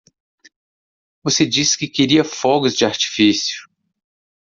Você disse que queria fogos de artifício.